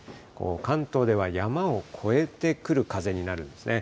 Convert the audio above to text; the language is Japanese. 関東では山を越えてくる風になるんですね。